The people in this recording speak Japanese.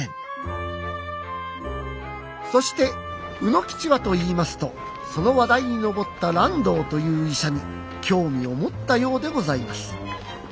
そして卯之吉はといいますとその話題に上った爛堂という医者に興味を持ったようでございます。